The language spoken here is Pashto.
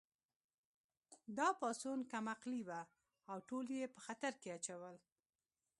دا پاڅون کم عقلې وه او ټول یې په خطر کې اچول